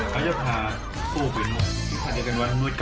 เขาจะพาปลูกอย่างน้องที่พัดอย่างน้อย